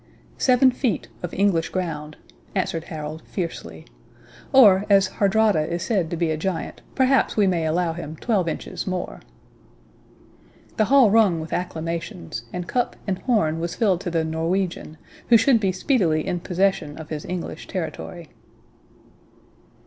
"'Seven feet of English ground,' answered Harold, fiercely, 'or, as Hardrada is said to be a giant, perhaps we may allow him twelve inches more.' "The hall rung with acclamations, and cup and horn was filled to the Norwegian, who should be speedily in possession of his English territory."